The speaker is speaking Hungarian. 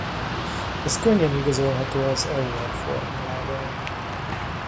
Ez könnyen igazolható az Euler-formulával.